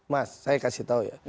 mas saya kasih tahu ya